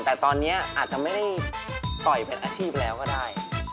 แต่ตอนนี้อาจจะไม่ได้ปล่อยเป็นอาชีพแล้วก็ได้